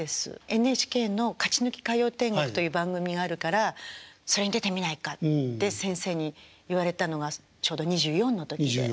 ＮＨＫの「勝ち抜き歌謡天国」という番組があるからそれに出てみないかって先生に言われたのがちょうど２４の時で。